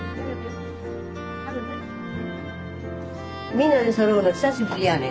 皆でそろうの久しぶりやね。